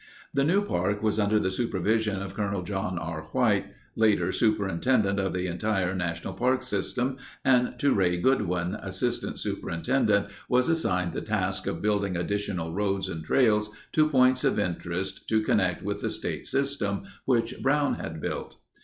The new park was under the supervision of Col. John R. White, later superintendent of the entire National Park System and to Ray Goodwin, assistant superintendent was assigned the task of building additional roads and trails to points of interest to connect with the State System which Brown had built.